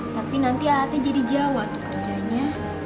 tapi nanti alatnya jadi jauh tuh kerjanya